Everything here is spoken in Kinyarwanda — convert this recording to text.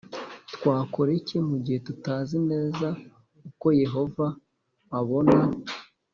twakora iki mu gihe tutazi neza uko Yehova abona